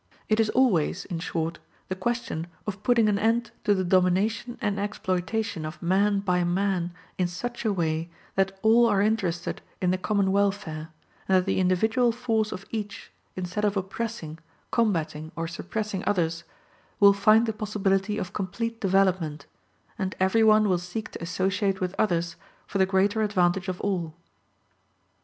It is always, in short, the question of putting an end to the domination and exploitation of man by man in such a way that all are interested in the common welfare; and that the individual force of each, instead of oppressing, combating or suppressing others, will find the possibility of complete development, and every one will seek to associate with others for the greater advantage of all.